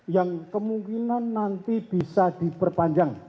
yang kemungkinan nanti bisa diperpanjang